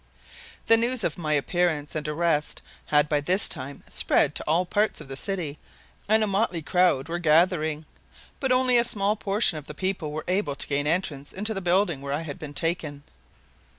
[Illustration: Planet of Dubhe.] The news of my appearance and arrest had by this time spread to all parts of the city and a motley crowd were gathering, but only a small portion of the people were able to gain entrance into the building where I had been taken.